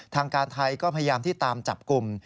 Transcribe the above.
ทางการไทยก็พยายามที่ตามจับกลุ่ม